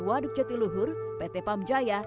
waduk jatiluhur pt pam jaya